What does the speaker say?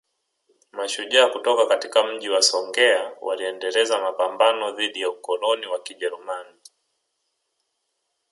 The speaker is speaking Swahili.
Mashujaa kutoka katika Mji wa Songea waliendeleza mapambano dhidi ya ukoloni wa Kijerumani